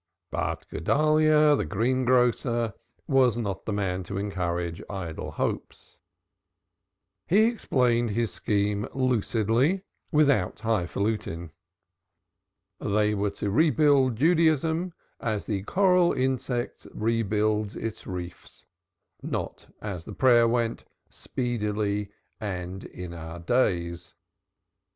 But Guedalyah the greengrocer was not the man to encourage idle hopes. He explained his scheme lucidly without highfalutin. They were to rebuild Judaism as the coral insect builds its reefs not as the prayer went, "speedily and in our days."